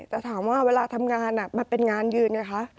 แต่ถามว่าเวลาทำงานมันเป็นงานยืนไงคะ